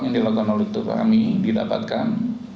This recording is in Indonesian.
penyelidikan dokter kami didapatkan